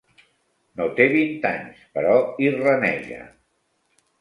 No té vint anys, però hi raneja.